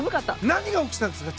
何が起きたんですか？